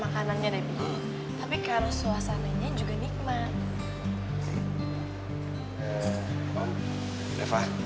makanannya tapi kalau suasananya juga nikmat